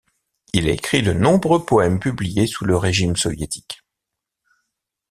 Il a écrit de nombreux poèmes publiés sous le régime soviétique.